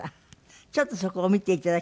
ちょっとそこを見て頂きます。